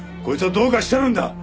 こいつはどうかしてるんだ！